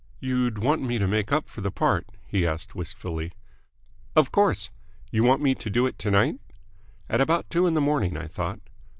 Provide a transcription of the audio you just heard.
"You'd want me to make up for the part?" he asked wistfully. "Of course!" "You want me to do it to night?" "At about two in the morning, I thought."